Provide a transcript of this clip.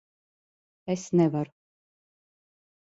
Es nevaru.